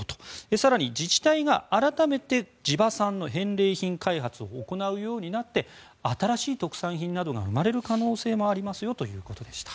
更に、自治体が改めて地場産の返礼品開発を行うようになって新しい特産品などが生まれる可能性もありますよということでした。